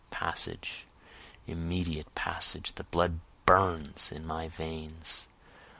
Passage, immediate passage! the blood burns in my veins!